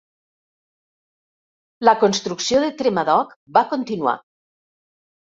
La construcció de Tremadog va continuar.